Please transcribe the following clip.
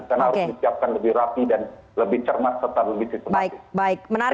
karena harus disiapkan lebih rapi dan lebih cermat setara luar